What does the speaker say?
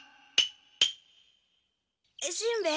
しんべヱ